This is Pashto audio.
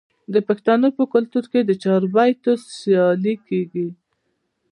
د پښتنو په کلتور کې د چاربیتیو سیالي کیږي.